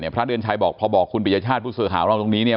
พระเดือนชัยบอกพอบอกคุณปริญญชาติผู้สื่อข่าวของเราตรงนี้เนี่ย